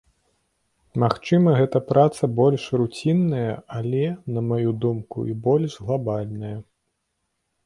Магчыма, гэта праца больш руцінная, але, на маю думку, і больш глабальная.